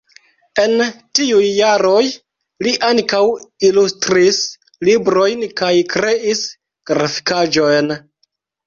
En tiuj jaroj li ankaŭ ilustris librojn kaj kreis grafikaĵojn.